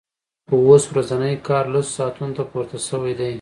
خو اوس ورځنی کار لسو ساعتونو ته پورته شوی دی